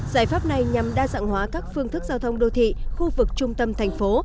giải pháp này nhằm đa dạng hóa các phương thức giao thông đô thị khu vực trung tâm thành phố